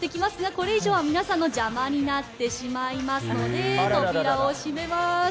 これ以上は皆さんの邪魔になってしまいますので扉を閉めます。